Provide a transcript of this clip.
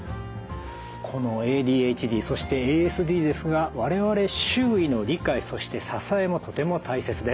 このＡＤＨＤそしてＡＳＤですが我々周囲の理解そして支えもとても大切です。